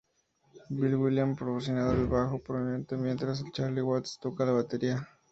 Bill Wyman proporcionando el bajo prominente mientras que Charlie Watts toca la batería.